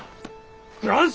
フランス？